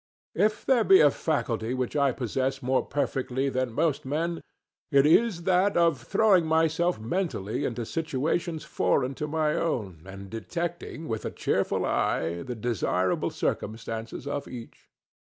If there be a faculty which I possess more perfectly than most men, it is that of throwing myself mentally into situations foreign to my own and detecting with a cheerful eye the desirable circumstances of each.